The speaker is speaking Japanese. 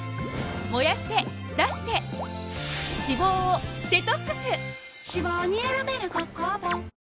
燃やして出して脂肪をデトックス！